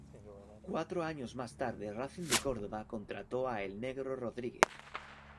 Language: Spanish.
Cuatro años más tarde Racing de Córdoba contrató a ""El Negro"" Rodríguez.